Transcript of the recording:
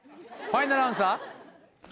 ファイナルアンサー。